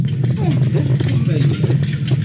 Anda-t Amayas?